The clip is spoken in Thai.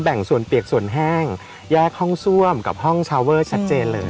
งส่วนเปียกส่วนแห้งแยกห้องซ่วมกับห้องชาวเวอร์ชัดเจนเลย